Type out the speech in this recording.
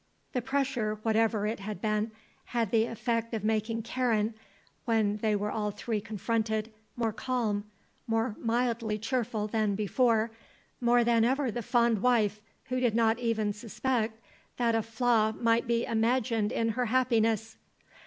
The pressure, whatever it had been, had the effect of making Karen, when they were all three confronted, more calm, more mildly cheerful than before, more than ever the fond wife who did not even suspect that a flaw might be imagined in her happiness.